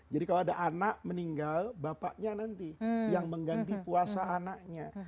jadi kalau ada anak meninggal bapaknya nanti yang mengganti puasa anaknya